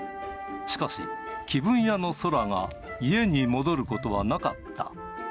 しかし、気分屋の宙が家に戻ることはなかった。